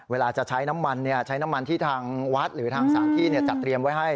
เวลาจะใช้น้ำมันใช้น้ำมันที่ทางวัดหรือทางสถานที่จัดเตรียมไว้ให้